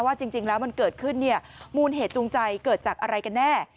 จริงแล้วมันเกิดขึ้นเนี่ยมูลเหตุจูงใจเกิดจากอะไรกันแน่